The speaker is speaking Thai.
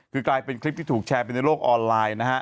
คือกลายเป็นคลิปที่ถูกแชร์ไปในโลกออนไลน์นะฮะ